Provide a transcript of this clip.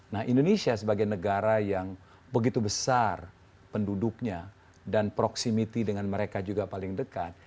nah indonesia sebagai negara yang begitu besar penduduknya dan proximity dengan mereka juga paling dekat